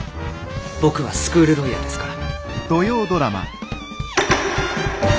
僕はスクールロイヤーですから。